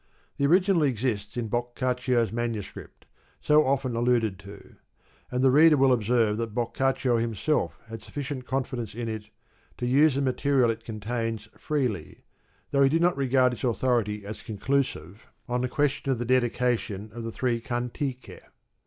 The original exists in Boccaccio's manuscript, so often alluded to, and the reader will observe that Boccaccio himself had sufficient confidence in it to use the material it contains freely, though he did not regard its authority as conclusive on the question of the xiv. dedication of the three Cantiche.